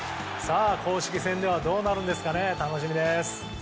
公式戦ではどうなるのか楽しみです。